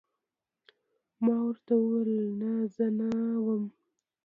ما ورته وویل: نه، زه نه وم.